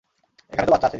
এখানে তো বাচ্চা আছে।